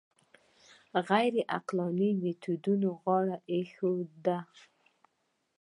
غیر عقلاني میتودونو غاړه ایښې ده